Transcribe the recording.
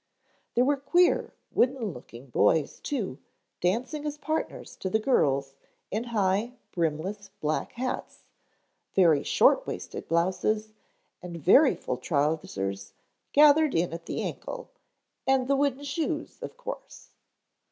There were queer, wooden looking boys, too, dancing as partners to the girls, in high, brimless black hats, very short waisted blouses and very full trousers gathered in at the ankle, and the wooden shoes, of course.